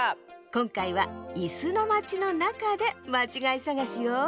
こんかいはいすのまちのなかでまちがいさがしよ。